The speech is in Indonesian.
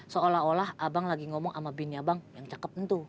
seolah olah abang lagi ngomong ama bini abang yang cakep ntu